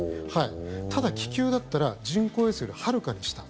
ただ、気球だったら人工衛星よりはるかに下。